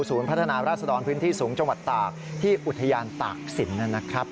พัฒนาราศดรพื้นที่สูงจังหวัดตากที่อุทยานตากศิลปนะครับ